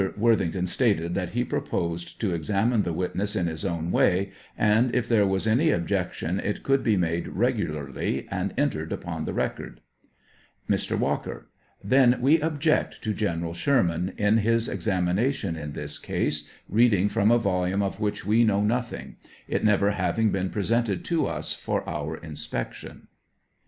Worthington stated that he proposed to ex amine the witness in his own way, and if there was any objection it could be made regularly, and entered upon the record. ' Mr. Walker. Then we object to General Sherman, in 7 74 his examination in this case, reading from a volume of which we know nothing, it never having been presented to us for our inspection.